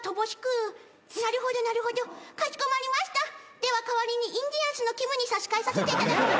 では代わりにインディアンスのきむに差し替えさせていただきます。